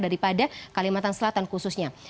daripada kalimantan selatan khususnya